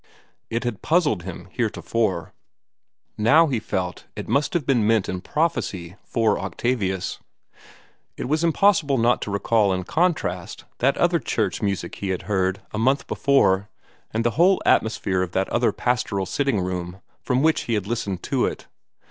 It had puzzled him heretofore; now he felt that it must have been meant in prophecy for Octavius. It was impossible not to recall in contrast that other church music he had heard, a month before, and the whole atmosphere of that other pastoral sitting room, from which he had listened to it.